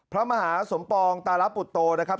พระมหาสมปองตาลปุตโตนะครับ